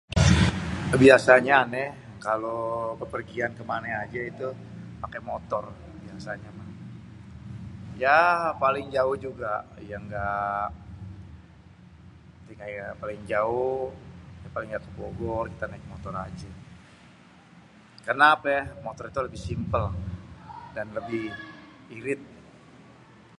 biasanya anè kalo bepergian kemanè ajè itu pakè motor biasanya mah.. yahh paling jauh juga yaa paling jauh ya paling yaa ke bogor kita naik motor ajè.. karena apè ya motor lebih simpel dan lebih irit..